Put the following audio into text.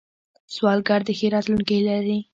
سوالګر د ښې راتلونکې هیله لري